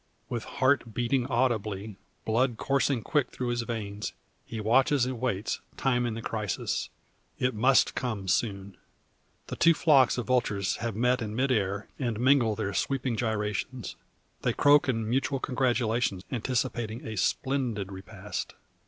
With heart beating audibly, blood, coursing quick through his veins, he watches and waits, timing the crisis. It must come soon. The two flocks of vultures have met in mid air, and mingle their sweeping gyrations. They croak in mutual congratulation, anticipating a splendid repast.